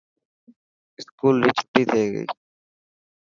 اسڪول ري ڇٽي ٿي گئي.